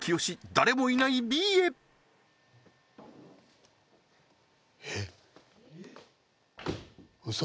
誰もいないＢへウソ？